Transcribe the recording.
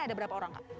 ada berapa orang kak